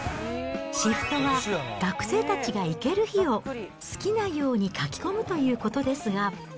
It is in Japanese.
シフトは学生たちが行ける日を好きなように書き込むということですが。